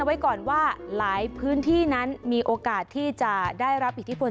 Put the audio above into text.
ไว้ก่อนว่าหลายพื้นที่นั้นมีโอกาสที่จะได้รับอิทธิพล